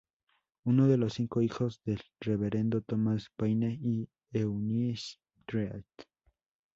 Uno de los cinco hijos del Reverendo Thomas Paine y Eunice Treat.